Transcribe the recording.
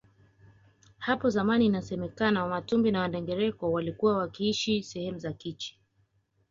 Hapo zamani inasemekana wamatumbi na wandengereko walikuwa wakiishi sehemu za Kichi